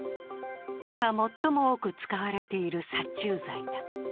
今、最も多く使われている殺虫剤だ。